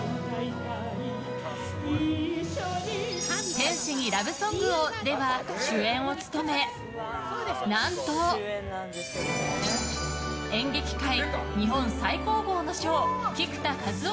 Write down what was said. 「天使にラブ・ソングを」では主演を務め何と、演劇界日本最高峰の賞菊田一夫